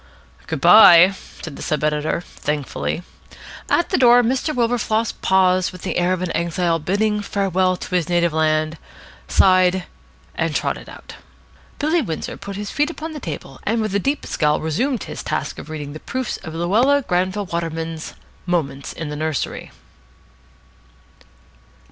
"Good bye," said the sub editor thankfully. At the door Mr. Wilberfloss paused with the air of an exile bidding farewell to his native land, sighed, and trotted out. Billy Windsor put his feet upon the table, and with a deep scowl resumed his task of reading the proofs of Luella Granville Waterman's "Moments in the Nursery."